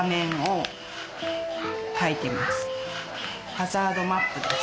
ハザードマップです。